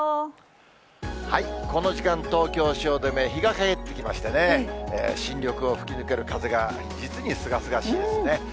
この時間、東京・汐留、日が陰ってきましてね、新緑を吹き抜ける風が、実にすがすがしいですね。